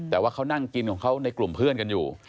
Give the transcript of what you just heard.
แต่ว่าเขานั่งกินของเขาในกลุ่มเพื่อนกันอยู่